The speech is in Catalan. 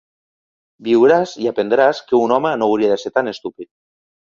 Viuràs i aprendràs que un home no hauria de ser tan estúpid.